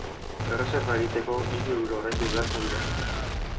Erreserba egiteko hiru euro ordaindu beharko dira.